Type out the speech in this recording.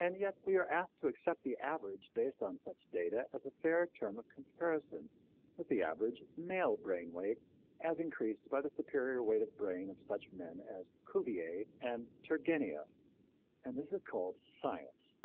And yet we are asked to accept the average based on such data as a fair term of comparison with the average male brain weight as increased by the superior weight of brain of such men as Cuvier and Turgenieff. And this is called science!